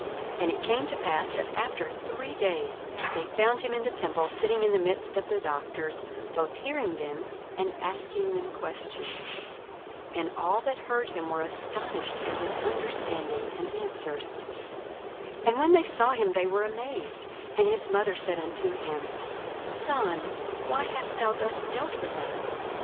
42:002:046 And it came to pass, that after three days they found him in the temple, sitting in the midst of the doctors, both hearing them, and asking them questions. 42:002:047 And all that heard him were astonished at his understanding and answers. 42:002:048 And when they saw him, they were amazed: and his mother said unto him, Son, why hast thou thus dealt with us?